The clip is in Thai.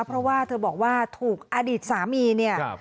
เพราะว่าเธอบอกว่าถูกอดีตสามีเนี่ย